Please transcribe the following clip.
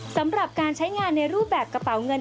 สำหรับการใช้งานในรูปแบบกระเป๋าเงิน